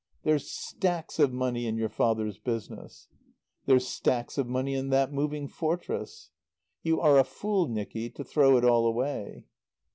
"There's stacks of money in your father's business " "There's stacks of money in that Moving Fortress " "You are a fool, Nicky, to throw it all away."